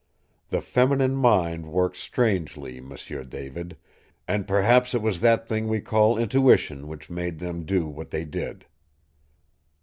The feminine mind works strangely, M'sieu David, and perhaps it was that thing we call intuition which made them do what they did.